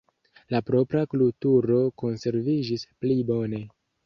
La propra kulturo konserviĝis pli bone.